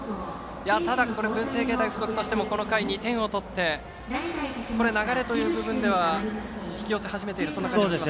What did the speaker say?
ただ、文星芸大付属としてもこの回、２点を取って流れという部分では引き寄せ始めている感じですか。